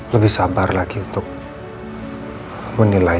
lebih sabar lagi untuk menilai